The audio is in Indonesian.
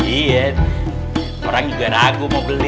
iya orang juga ragu mau beli